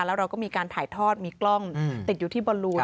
แล้วเราก็มีการถ่ายทอดมีกล้องติดอยู่ที่บอลลูน